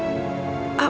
dia pasti akan masuk kejar